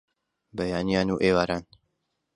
بەیانیان و ئێواران